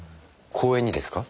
公園にですか？